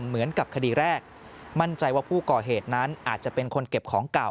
เหมือนกับคดีแรกมั่นใจว่าผู้ก่อเหตุนั้นอาจจะเป็นคนเก็บของเก่า